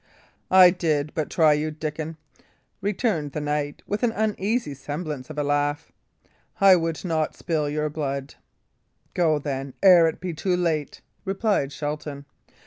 "I did but try you, Dickon," returned the knight, with an uneasy semblance of a laugh. "I would not spill your blood." "Go, then, ere it be too late," replied Shelton.